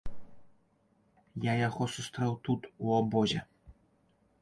Я яго сустрэў тут у абозе.